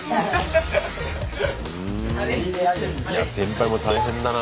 いや先輩も大変だな